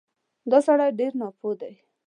دا سړی ډېر ناپوه دی